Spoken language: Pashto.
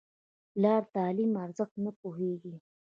پلار د تعلیم ارزښت ته پوهېږي.